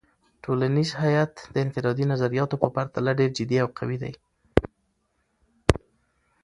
ټولنیز هیت د انفرادي نظریاتو په پرتله ډیر جدي او قوي دی.